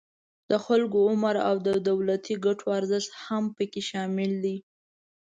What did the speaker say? د خلکو عمر او د دولتی ګټو ارزښت هم پکې شامل دي